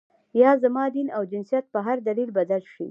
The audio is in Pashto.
یا زما دین او جنسیت په هر دلیل بدل شي.